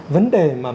vấn đề mà